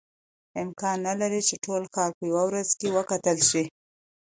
امکان نه لري چې ټول ښار په یوه ورځ کې وکتل شي.